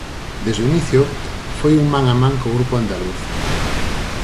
Desde o inicio, foi un man a man co grupo andaluz.